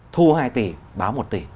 thu hai tỷ báo một tỷ